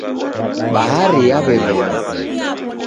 Bahari yaw'eruma.